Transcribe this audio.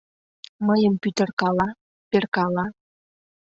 Мыйым пӱтыркала, перкала.